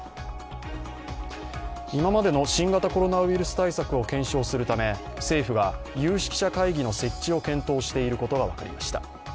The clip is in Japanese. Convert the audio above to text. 今までの新型コロナウイルス対策を検証するため政府が有識者会議の設置を検討していることが分かりました。